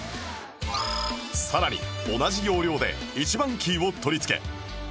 さらに同じ要領で１番キーを取り付け